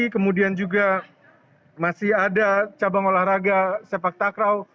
kemudian juga masih ada cabang olahraga sepak takraw